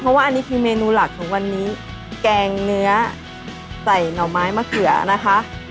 เพราะว่าอันนี้คือเมนูหลักของวันนี้แกงเนื้อใส่หน่อไม้มะเขือนะคะ